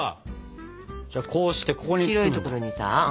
じゃあこうしてここに包むんだ。